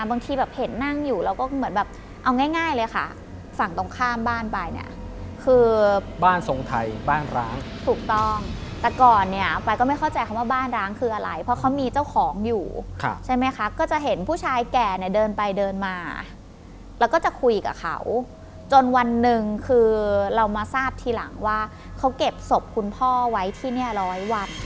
บางทีแบบเห็นนั่งอยู่เราก็เหมือนแบบเอาง่ายเลยค่ะฝั่งตรงข้ามบ้านไปเนี่ยคือบ้านทรงไทยบ้านร้างถูกต้องแต่ก่อนเนี่ยไปก็ไม่เข้าใจคำว่าบ้านร้างคืออะไรเพราะเขามีเจ้าของอยู่ใช่ไหมคะก็จะเห็นผู้ชายแก่เนี่ยเดินไปเดินมาแล้วก็จะคุยกับเขาจนวันหนึ่งคือเรามาทราบทีหลังว่าเขาเก็บศพคุณพ่อไว้ที่เนี่ยร้อยวัน